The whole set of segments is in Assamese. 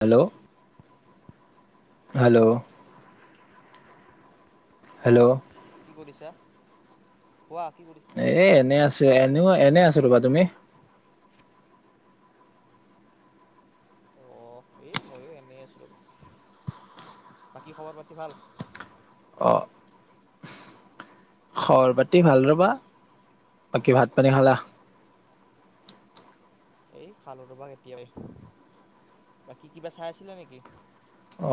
হেল্ল' হেল্ল' অ হেল্ল' কি কৰিছা? কোৱা কি কৰিছা? এ এনে আছো এনেও এনে আছো ৰবা তুমি অ এই ময়ো এনেই আছিলো ৰ বাকী খবৰ-পাতি ভাল অ খবৰ পাতি ভাল ৰবা বাকী ভাত পানী খালা এই খালো ৰবা কেতিয়াবায়ে, বাকী কিবা চাই আছিলে নেকি? অ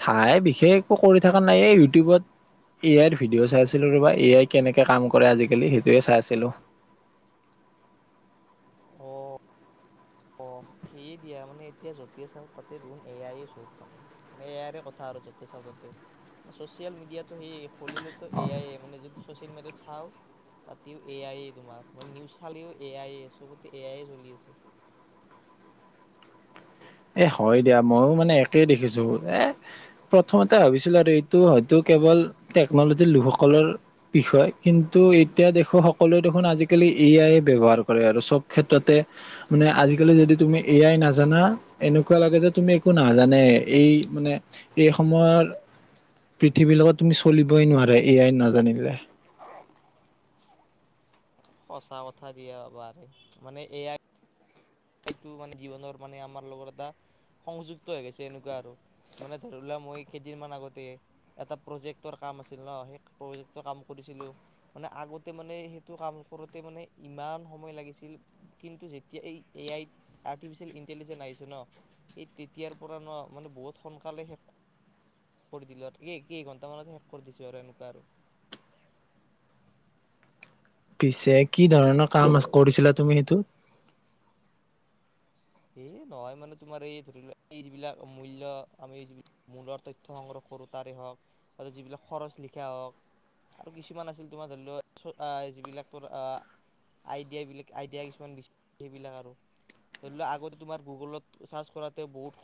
চাই বিশেষ একো কৰি থকা নাইয়ে। ইউটিউবত এ আইৰ ভিডিঅ' চাইছিলোঁ ৰব এ আই কেনেকে কাম কৰে আজিকালি সেইটোৱে চাইছিলোঁ। অ, অ সেয়ে দিয়া মানে এতিয়া, যতেই চাওঁ তাতে দেখোন এ আইয়ে চব, মানে মানে এ আইৰে কথা আৰু যতে চাওঁ তাতে চচিয়েল মিডিয়াতটো সেইয়া খুলিলেতো এ আইয়ে মানে য চচিয়েল মিডিয়াত চাওঁ তাতেও এ আইয়ে তোমাৰ মান নিউজ চালেও এ আয় চব এ আইয়ে চলি আছে। এ হয় দিয়া। ময়ো মানে একেই দেখিছো এ প্ৰথমতে ভাবিছিলো আৰু এইটো হয়তো কেৱল টেকনলজিৰ লোকসকলৰ বিষয় কিন্তু এতিয়া দেখো সকলোৱে দেখোন আজিকালি এ আই ব্যৱহাৰ কৰে আৰু চব ক্ষেত্ৰতে মানে আজিকালি যদি তুমি এ আই নাজানা। এনেকুৱা লাগে যে তুমি একো নাজানায়ে এই মানে এই সময়ৰ পৃথিৱীৰ লগত তুমি চলিবই নোৱাৰে এয়াই নাজানিলে। সঁচা কথা দিয়া বাৰু মানে এয়াত মানে জীৱনৰ মানে আমাৰ লগত এটা সংযুক্ত হৈ গৈছে এনেকুৱা আৰু মানে ধৰি লোৱা মই কেইদিন মান আগতে এটা প্ৰজেক্টৰ কাম আছিল হা সেই প্ৰজেক্টৰ কাম কৰিছিলো। মানে আগতে মানে সেইটো কাম কৰোতে মানে ইমান সময় লাগিছিল কিন্তু যেতিয়া এই এ আইত আৰ্টিফিচিয়েল ইণ্টেলিজেন্ঞ্চ আহিছে ন এই তেতিয়াৰ পৰা ন মানে বহুত সোনকালে শেষ। শেষ কৰি দিলোঁ, আৰু এই কেইঘণ্টামানত শেষ কৰি দিছোঁ আৰু এনেকুৱা আৰু। পিছে কি ধৰণৰ কাম কৰিছিলা তুমি সেইটো? এই নহয় মানে তোমাৰ এই ধৰি লোৱা এই যিবিলাক মূল্য, আমি যিলাক মূলৰ তথ্ সংগ্ৰহ কৰো তাৰে হওক যিবিলাক খৰচ লিখা হওক আৰু কিছুমান আছিল। তোমাৰ ধৰি লোৱা যিবিলাক আই ডিয়া আইডিয়া কিছুমান সেইবিলাক আৰু ধৰি লোৱা। আগতে তোমাৰ গুগলত চাৰ্চ কৰাতে বহুত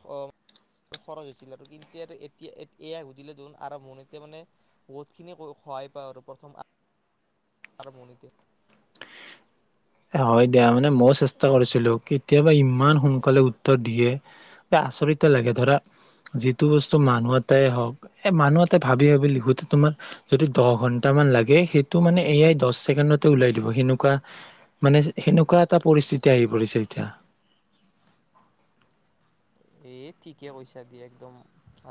খৰচ হৈছিল। আৰু কিন্তু তেতিয়া এয়া সুধিলে দে আৰম্ভনি এতিয়া মানে বহুতখিনি সহায় পাওঁ আৰু প্ৰথম। তাৰ আৰম্ভণিতে হয় দিয়া মানে মই চেষ্টা কৰিছিলো। কেতিয়াবা ইমান সোনকালে উত্তৰ দিয়ে বা আচৰিত লাগে ধৰা যিটো বস্তু মানুহ এটাই হওক এ মানুহ এটাই ভাবি ভাবি লিখোতে তোমাৰ যদি দহ ঘন্টা মান লাগে, সেইটো মানে এয়াই দহ ছেকেণ্ডতে ওলাই দিব সেনেকুৱা মানে সেনেকুৱা এটা পৰিস্থিতি আহি পৰিছে এতিয়া। এ ঠিকে কৈছা দিয় একদম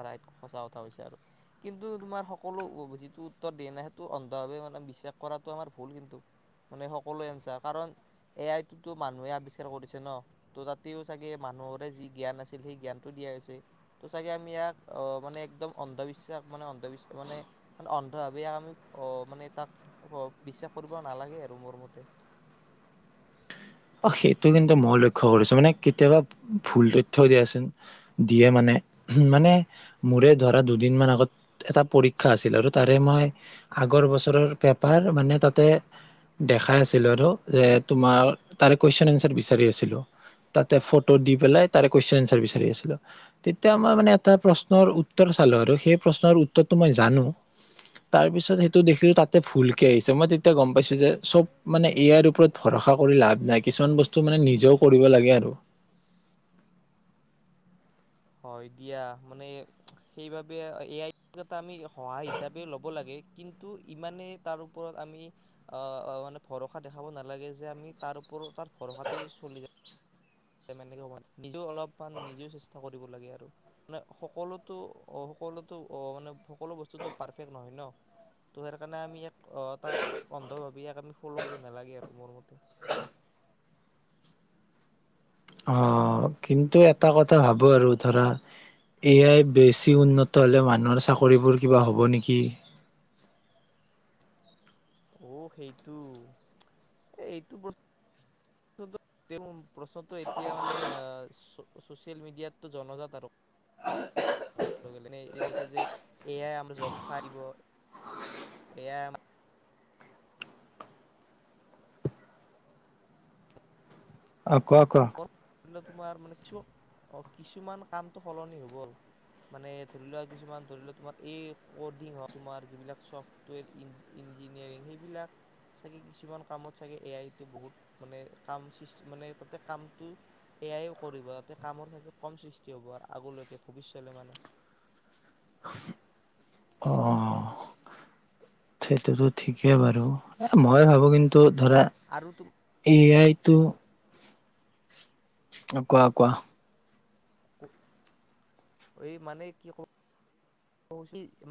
ৰাইট সঁচা কথা কৈছা আৰু কিন্তু তোমাৰ সকলো যিটো উত্তৰ দিয়া নাই সেইটো অন্ধভাৱে মানে বিশ্বাস কৰাটো আমাৰ ভুল কিন্তু, মানে সকলোৰ এনচাৰ কাৰণ এ আইটো মানুহে আৱিষ্কাৰ কৰিছে ন ত তাতেও চাগে মানুহৰে যি জ্ঞান আছে। সেই জ্ঞানটো দিয়া হৈছে, ত চাগে আমি ইয়াক আহ মানে একদম অন্ধবিশ্বাস মানে অন্ধবিশ্বাস মানে অন্ধভাৱে ইয়াক আমি আহ মানে তাক বিশ্বাস কৰিব নালাগে আৰু মোৰ মতে। অ সেইটো কিন্তু মই লক্ষ্য কৰিছো, মানে কেতিয়াবা ভুল তথ্য দিয়াচোন দিয়ে মানে মানে মোৰে ধৰা দুদিন মান আগত এটা পৰীক্ষা আছিল আৰু তাৰে মই আগৰ বছৰৰ পেপাৰ মানে তাতে দেখাই আছিলো আৰু যে তোমাৰ। তাৰে কুইচন এনচাৰ বিচাৰি আছিলোঁ, তাতে ফটো দিবলৈ, তাৰে কুইচন এনচাৰ বিচাৰি আছিলো। তেতিয়া এটা প্ৰশ্নৰ উত্তৰ চালো আৰু সেই প্ৰশ্নৰ উত্তৰটো মই জানো তাৰ পিছত সেইটো দেখিলো তাতে ভুলকে আহিচে, মই তেতিয়া গম পাইছো যে চব এ আই ওপৰত ভৰখা কৰি লাভ নাই। নাই কিছুমান বস্তু মানে, নিজেও কৰিব লাগে মানে আৰু, হয় দিয়া মানে, সেইবাবে এ আই এটা আমি। সহায় হিচাপে ল'ব লাগে কিন্তু ইমানে তাৰ ওপৰত আমি আহ মানে ভৰসা দেখাব নালাগে যে আমি তাৰ ওপৰত তাৰ ভৰসাতে চলি যা ক নিজেও অলপমান নিজেও চেষ্টা কৰিব লাগে আৰু মানে সকলোতো সকলোতো আহ মানে সকলো বস্তুটো পাৰফেক্ট নহয় ন ত সেইকাৰণে আমি ই এটা অন্ধ ভাৱি ইয়াক আমি ফল কৰিব নালাগে আৰু মোৰ মতে অ কিন্তু এটা কথা ভাবোঁ আৰু ধৰা এয়াই বেছি উন্নত হ'লে মানুহৰ চাকৰিবোৰ কিবা হ'ব নেকি অ সেইটো এ এইটো বস্তু মোৰ প্ৰ্ প্ৰশ্নটো এতিয়া মানে আহ চচিয়েল মিডিয়াতটো জনজাত আৰু কবলে গলে মানে অ হৈছে যে অ এ আই আমাৰ জব খাই দিব এ আই আমা কোৱা কোৱা ধৰি লোৱা তোমাৰ মানে কিচো কিছুমান কামতটো সলনি হ'ব আৰু মানে ধৰি লোৱা কিছুমান ধৰি লোৱা তোমাৰ এই কডিং হ তোমাৰ যিবিলাক চফ্টৱেৰ্জ ইঞ্জি ইঞ্জিনিয়াৰিং সেইবিলাক চাগে কিছুমান কামত চাগে এ আইটো বহুত মানে কাম সিষ্ট মানে তাতে কামটো এয়াই কৰিব যাতে কামৰ চাগে কম সৃষ্টি হ'ব আৰু আগলৈকে ভৱিষ্যতে মানে অ সেইটোতো ঠিকেই বাৰু এ মই ভাবো কিন্তু ধৰা আৰু এ আই ত অ কোৱা কোৱা। কো এই মানে কি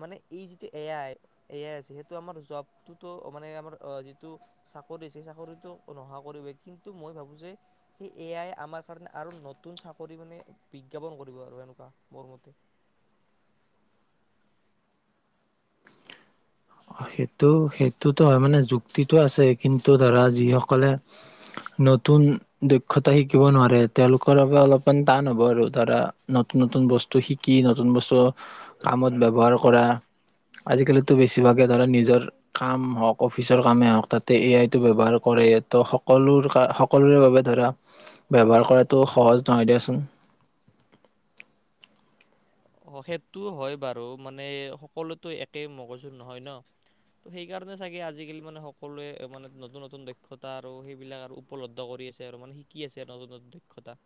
মানে এই যিটো এ আই এ আই আছে সেইটো আমাৰ জবটোতো মানে আমাৰ যিটো চাকৰি আছে চাকৰিটো নোহোৱা কৰিব কিন্তু মই ভাবোঁ যে সেই এ আইয় আমাৰ কাৰণে আৰু নতুন চাকৰি মানে বিজ্ঞাপন কৰিব আৰু এনেকুৱা মোৰ মতে সেইটো সেইটোতো হয় মানে যুক্তিটো আছে কিন্তু ধৰা যিসকলে নতুন দক্ষতা শিকিব নোৱাৰে তেওঁলোকৰ বাবে অলপমান টান হব আৰু ধৰা নতুন নতুন বস্তু শিকি নতুন বস্তু কামত ব্যৱহাৰ কৰা আজিকালিত তো বেছিভাগ ধৰা নিজৰ কাম হওঁক অফিচৰ কামেই হওক তাতে এ আই ব্যৱহাৰ কৰে তো সকলো সকলোৰে বাবে ধৰা ব্যৱহাৰ কৰাতটো সহজ নহয় দিয়াচোন অ সেইটোও হয় বাৰু মানে সকলোতো একে মগজুৰ নহয় ন ত সেইকাৰণে চাগে আজিকালি মানে সকলোৱে মানে নতুন নতুন দক্ষতা আৰু সেইবিলাক আৰু উপলব্ধ কৰি আছে আৰু মানে শিকি আছে নতুন নতুন দক্ষতা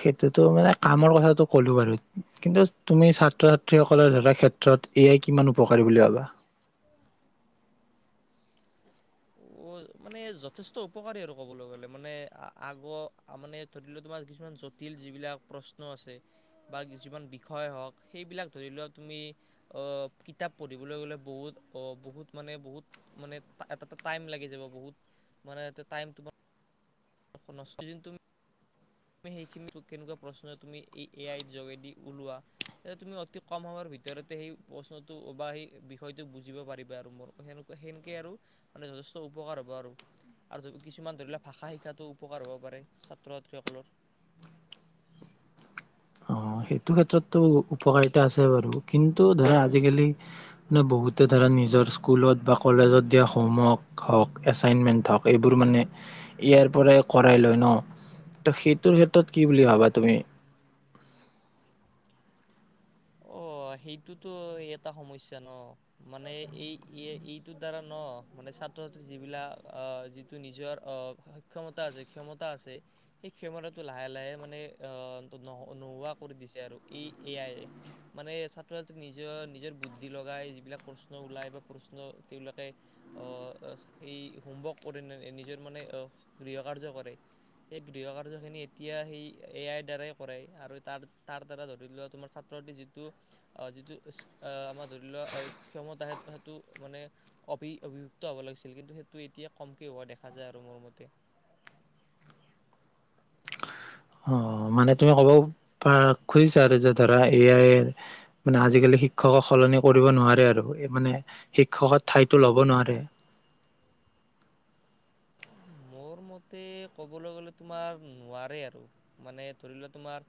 সেইটোতো মানে কামৰ কথাটো কলো বাৰু কিন্তু তুমি ছাত্ৰ ছাত্ৰীসকলৰ ধৰা ক্ষেত্ৰত এয়াই কিমান উপকাৰী বুলি ভাবা অ মানে যথেষ্ট উপকাৰী আৰু ক'বলৈ গ'লে মানে আগৰ মানে ধৰি লোৱা তোমাৰ কিছুমান জটিল যিবিলাক প্ৰশ্ন আছে বা যিমান বিষয় হওক সেইবিলাক ধৰি লোৱা তুমি অ কিতাপ পঢ়িবলৈ গ'লে বহুত অ বহুত মানে বহুত মানে এটা এটা টাইম লাগি বহুত মানে এতিয়া টাইম তোমাৰ দিন তুমি তুমি সেইখিনি কেনেকুৱা প্ৰশ্ন তুমি এই এ আইৰ যোগেদি ওলোৱা তুমি অতি কম সময়ৰ ভিতৰতে সেই প্ৰশ্নটো বা সেই বিষয়টো বুজিব পাৰিবা আৰু মোৰ সেনেকুৱা সেনেকৈ আৰু মানে যথেষ্ট উপকাৰ হ'ব আৰু কিছুমান ধৰি লও ভাষা শিকাটো উপকাৰ হ'ব পাৰে ছাত্ৰ ছাত্ৰীসকলৰ অ সেইটো ক্ষেত্ৰততো উপকাৰিতা আছে বাৰু কিন্তু ধৰা আজিকালি মানে বহুতে ধৰা নিজৰ স্কুলত বা কলেজত দিয়া হোমৱৰ্ক হওঁক এচাইনমেণ্ট হওক এইবোৰ মানে এ ইয়াৰ পৰাই কৰাই লয় ন ত সেইটোৰ ক্ষেত্ৰত কি বুলি ভাবা তুমি অ সেইটোতো এটা সমস্যা ন মানে এই এইটোৰ দ্বাৰা ন মানে ছাত্ৰ যিবিলাক যিটো নিজৰ অ সক্ষমতা আছে ক্ষমতা আছে সেই ক্ষমতাটো লাহে লাহে মানে আহ ন নোহোৱা কৰি দিছে আৰু এই এ আই এ মানে ছাত্ৰ ছাত্ৰী নিজৰ নিজৰ বুদ্ধি লগাই যিবিলাক প্ৰশ্ন ওলায় বা প্ৰশ্ন তেওঁলোকে ও সেই হোমৱৰ্ক কৰে ন নিজৰ মানে ও গৃহকাৰ্য কৰে সেই গৃহকাৰ্যখিনি এতিয়া সেই এ আইৰ দ্বাৰাই কৰে আৰু তাৰ তাৰ দ্বাৰা ধৰি লওক তোমাৰ ছাত্ৰ ছাত্ৰী যি টো আহ যিটো আহ আমাৰ ধৰি লোৱা ক্ষমতােই সেইটো মানে অবি অবিভুক্ত হব লাগিছিল কিন্তু সেইটো এতিয়া কমকে হোৱা দেখা যায় আৰু মোৰ মতে অ মানে তুমি ক'ব পাৰ খুজিছা আৰু যে ধৰা এয়াই মানে আজিকালি শিক্ষকক সলনি কৰিব নোৱাৰে আৰু মানে শিক্ষক ঠাইতো লব নোৱাৰে মোৰ মতে কবলৈ গলে তোমাৰ নোৱাৰে আৰু মানে ধৰি লোৱা তোমাৰ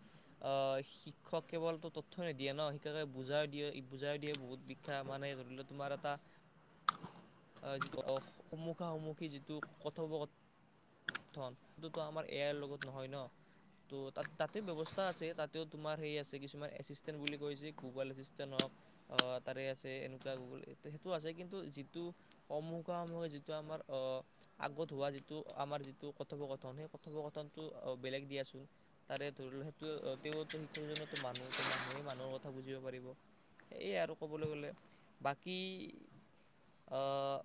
আহ শিক্ষক কেৱলতো তথয়ই নিদিয়ে ন শিক্ষকে বুজাই দিয়ে বুজাই দিয়ে বহুত বিখ্যা মানে ধৰি লোৱা তোমাৰ এটা যিটো সমোখা সমোখি যিটো কথপ সেইটো আমাৰ এ আইৰ লগত নহয় ন ত' তাত তাতে ব্যৱস্থা আছে তাতেও তোমাৰ সেই আছে কিছুমান এচিষ্টেণ্ট বুলি কৈছে গুগল এচিষ্টেণ্ট হওক তাৰে আছে এনেকুৱা গুগল সেইটো আছে কিন্তু যিটো সম সমহে যিটো আমাৰ আহ আগত হোৱা যিটো আমাৰ যিটো কথোপকথন সেই কথোপকথনটো বেলেগ দিয়াচোন তাৰে ধৰি ল সেইটো তেওঁতো শিক্ষকজনে মানুহ ত মানুহে মানুহৰ কথা বুজিব পাৰিব সেয়াই আৰু ক'বলৈ গলে বাকী আহ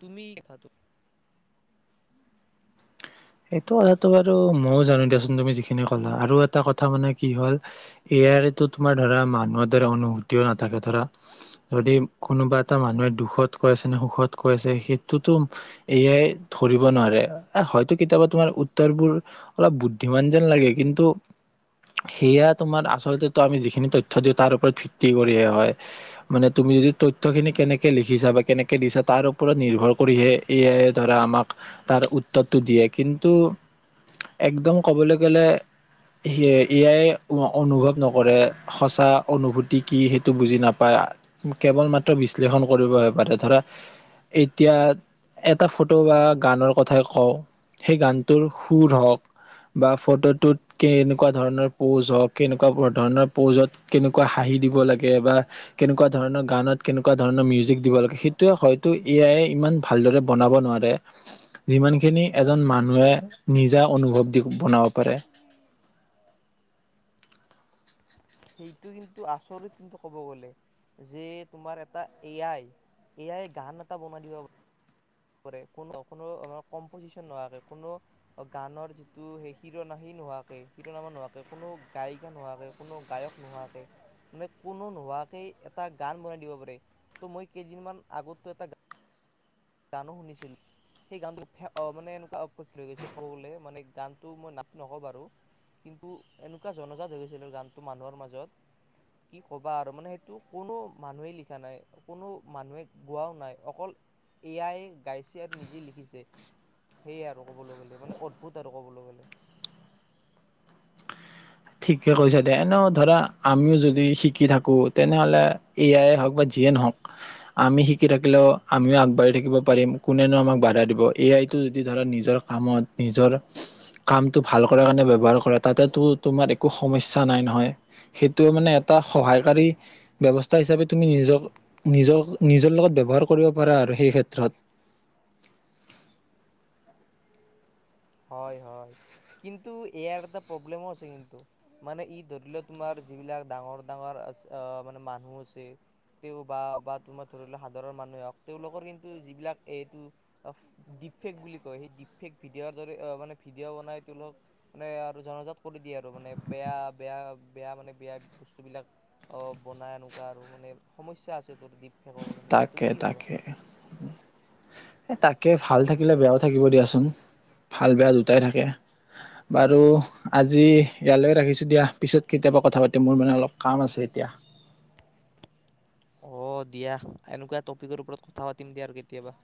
তুমি দে খাতো সেইটো কথাটো বাৰু মইও জানো দিয়াচোন তুমি যিখিনি ক'লা আৰু এটা কথা মানে কি হল এয়াইতো তোমাৰ ধৰা মানুহৰ দৰে অনুভূতিও নাথাকে ধৰা যদি কোনোবা এটা মানুহে দুখত কৈ আছে নে সুখত কৈছে সেইটোতো এয়াই ধৰিব নোৱাৰে হয়তো কিতাপত তোমাৰ উত্তৰ বোৰ অলপ বুদ্ধিমান যেন লাগে কিন্তু সেয়া তোমাৰ আচলতে আমি যিখিনি তথ্য দিওঁ তাৰ ওপৰত ভিত্তি কৰিহে হয় মানে তুমি যদি তথ্যখিনি কেনেকে লিখিছা বা কেনেকে দিছা তাৰ ওপৰত নিৰ্ভৰ কৰিহে এয়াই ধৰা আমাক তাৰ উত্তৰটো দিয়ে কিন্তু একদম ক'বলৈ গ'লে এ য়াই অনুভৱ নকৰে সঁচা অনুভূতি কি সেইটো বুজি নাপায় কেৱল মাত্ৰ বিশ্লেষণ কৰিবহ পাৰে ধৰা এতিয়া এটা ফটো বা গানৰ কথাই কওঁ সেই গানটোৰ সুৰ হওঁক বা ফটোটোত কেনেকুৱা ধৰণৰ প'জ হওঁক কেনেকুৱা ধৰণৰ প'জত কেনেকুৱা হাঁহি দিব লাগে বা কেনেকুৱা ধৰণৰ গানত কেনেকুৱা ধৰণৰ মিউজিক দিব লাগে সেইটোৱে হয়তো এ আইয়ে ইমান ভালদৰে বনাব নোৱাৰে যিমানখিনি এজন মানুহে নিজা অনুভৱ দি বনাব পাৰে সেইটো কিন্তু আচৰিত কিন্তু কব গলে যে তোমাৰ এটা এ আই এ আই গান এটা বনাই দিব পাৰ কোনো কোনো কম্পজিচন নোহোৱাকে কোনো গানৰ যিটো সেই হিৰনা সি নোহোৱাকে হিৰোনামা নোহোৱাকে কোনো গায়িকা নোহোৱাকে কোনো গায়ক নোহোৱাকে মানে কোনো নোহোৱাকে এটা গান বনাই দিব পাৰে ত' মই কেইদিনমান আগতো এটা গান গানো শুনিছিলো সেই গানটো মানে এনেকুৱা অপক্ষ হৈ গৈছে ক'বলে মানে গানটো মই নাট নকবাৰু কিন্তু এনেকুৱা জনজাত হৈ গৈছিল গানটো মানুহৰ মাজত কি ক'বা আৰু মানে সেইটো কোনো মানুহেই লিখা নাই কোনো মানুহে গোৱাও নাই অকল এয়াই গাইছে আৰু নিজে লিখিছে সেয়াই আৰু কবলৈ গ'লে মানে অদ্ভুত আৰু কবলৈ গ'লে ঠিকে কৈছে দে এনেও ধৰা আমিও যদি শিকি থাকো তেনেহলে এ আইয়ে হওঁক বা যিয়ে নহওক আমি শিকি থাকিলেও আমিও আগবাঢ়ি থাকিব পাৰিম কোনেনো আমাক বাধা দিব এ আইটো যদি ধৰা নিজৰ কামত নিজৰ কামটো ভাল কৰ কাৰণে ব্যৱহাৰ কৰে তাতেতো তোমাৰ একো সমস্যা নাই নহয় সেইটো মানে এটা সহায়কাৰী ব্যৱস্থা হিচাপে তুমি নিজক নিজৰ নিজৰ লগত ব্যৱহাৰ কৰিব পাৰা আৰু সেই ক্ষেত্ৰত হয় হয় কিন্তু ইয়াৰ এটা প্ৰব্লেমো আছে কিন্তু মানে ই ধৰি লোৱা তোমাৰ যিবিলাক ডাঙৰ ডাঙৰ মানে মানুহ আছে তেওঁ বা বা তোমাৰ ধৰি লোৱা সাধাৰণ মানুহে হওক তেওঁলোকৰ কিন্তু যিবিলাক এইটো ডিফেক বুলি কয় সেই ডিফেক ভিডিঅ' মানে ভিডিঅ' বনাই তোলোক মানে আৰু জনজাত কৰি দিয়ে আৰু মানে বেয়া বেয়া বেয়া মানে বেয়া বস্তু বিলাক অ বনাই এনেকুৱা আৰু মানে সমস্যা আছে তোৰ দপ তাকে তাকে তাকে ভাল থাকিলে বেয়াও থাকিব দিয়াচোন ভাল বেয়া দুটাই থাকে বাৰু আজি ইয়ালৈকে ৰাখিছো দিয়া পিছত কেতিয়াবা কথা পাতি মোৰ মানে অলপ কাম আছে এতিয়া অ দিয়া এনেকুৱা টপিকৰ ওপৰত কথা পাতিম দিয়া আৰু কেতিয়াবা